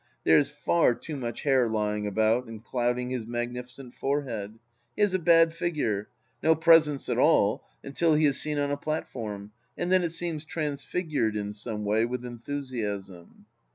There is far too much hair lying about and clouding his magnificent forehead. He has a bad figure: no presence at all until he is seen on a platform, and then it seems transfigured, in some way, with enthusiasm.